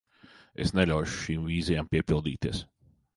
Es neļaušu šīm vīzijām piepildīties.